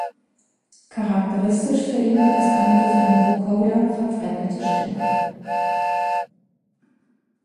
Charakteristisch für ihn ist eine durch einen Vocoder verfremdete Stimme.